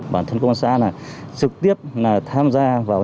bản thân công an xã này trực tiếp tham gia vào